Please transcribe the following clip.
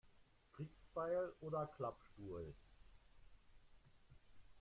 Kriegsbeil oder Klappstuhl?